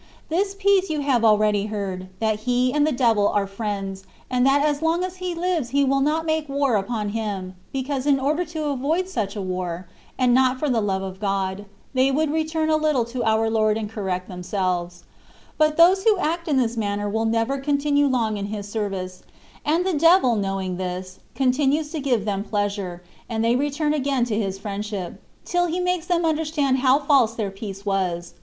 This peace you have already heard, that he and the devil are friends, and that as long as he lives he will not make war upon him, because in order to avoid such a war, and not for the love of God, they would return a little to our Lord and correct themselves. But those who act in this manner will never continue 234 CONCEPTIONS OF DIYINE LOTS; long in His service; and the devil^ knowing this^ continues to give them pleasure^ and they return again to his friendship^ till he makes them under stand how false their peace was.